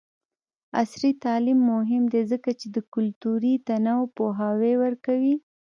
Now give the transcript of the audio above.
عصري تعلیم مهم دی ځکه چې د کلتوري تنوع پوهاوی ورکوي.